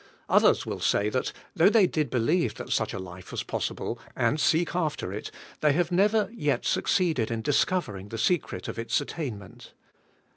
Others will say that, though they did believe that such a life was possible, and seek after it, they have never yet succeeded in discovering the secret of its attainment.